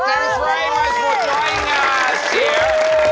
ขอบคุณมากมาสู่โจยงานเชียร์